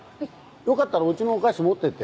よかったらうちのお菓子持ってって。